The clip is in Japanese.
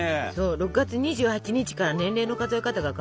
６月２８日から年齢の数え方が変わるんだってね。